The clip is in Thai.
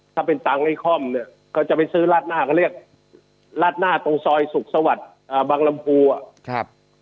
ถ้าเป็นตังค์ไทยคอมเนี่ยเค้าจะไปซื้อราดหน้าเค้าเรียกราดหน้าตรงซอยสุขสวรรค์บังลำภูอ่ะ